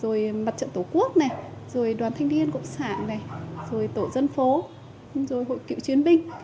rồi mặt trận tổ quốc này rồi đoàn thanh niên cộng sản này rồi tổ dân phố rồi hội cựu chiến binh